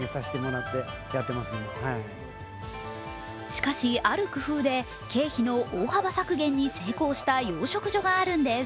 しかし、ある工夫で経費の大幅削減に成功した養殖所があるんです